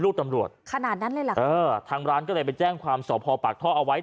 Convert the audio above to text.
ตำรวจขนาดนั้นเลยเหรอคะเออทางร้านก็เลยไปแจ้งความสอบพอปากท่อเอาไว้